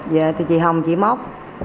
vậy thì chị hồng chỉ móc